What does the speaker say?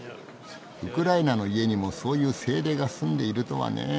ウクライナの家にもそういう精霊がすんでいるとはねえ。